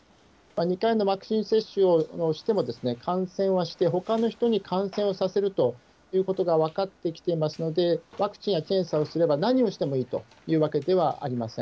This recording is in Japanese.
２回のワクチン接種をしても感染はして、ほかの人に感染をさせるということが分かってきていますので、ワクチンや検査をすれば何をしてもいいというわけではありません。